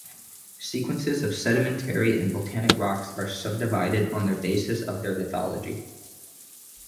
Sequences of sedimentary and volcanic rocks are subdivided on the basis of their lithology.